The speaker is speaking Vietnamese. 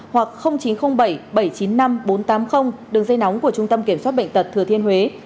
hoặc chín trăm linh bảy bảy trăm chín mươi năm bốn trăm tám mươi đường dây nóng của trung tâm kiểm soát bệnh tật thừa thiên huế